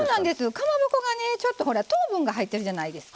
かまぼこがねちょっと糖分が入ってるじゃないですか。